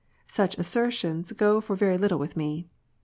Such assertions go for very little with me.